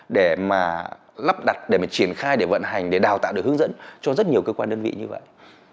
để mà lắp đặt để mà triển khai để vận hành để đào tạo được hướng dẫn cho rất nhiều cơ quan đơn vị như vậy